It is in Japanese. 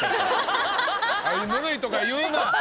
ぬるいとか言うな！